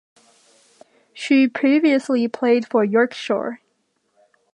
She previously played for Yorkshire.